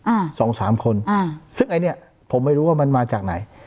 อ่าสองสามคนอ่าซึ่งไอ้เนี้ยผมไม่รู้ว่ามันมาจากไหน